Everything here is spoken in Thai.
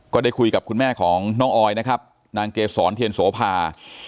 ก็ได้คุยกับคุณแม่ของน้องออยนะครับนางเกษรเทียนโสภา